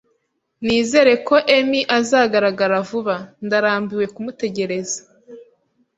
Nizere ko Emi azagaragara vuba. Ndarambiwe kumutegereza.